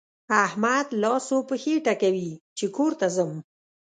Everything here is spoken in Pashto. احمد لاس و پښې ټکوي چې کور ته ځم.